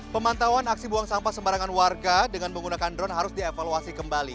pemantauan aksi buang sampah sembarangan warga dengan menggunakan drone harus dievaluasi kembali